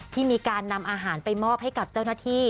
ที่มีการนำอาหารไปมอบให้กับเจ้าหน้าที่